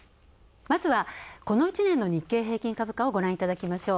まずは、この１年の日経平均株価をごらんいただきましょう。